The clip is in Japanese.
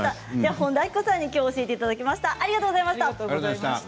本田明子さんに教えていただきました。